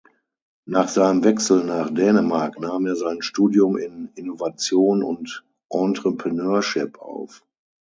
Nach seinem Wechsel nach Dänemark nahm er ein Studium in Innovation und Entrepreneurship auf.